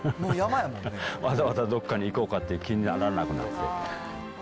わざわざどっかに行こうかっていう気にならなくなって。